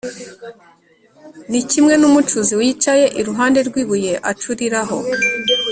Ni kimwe n’umucuzi wicaye iruhande rw’ibuye acuriraho,